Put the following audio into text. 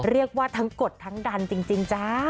เรียกว่าทั้งกดทั้งดันจริงจ้า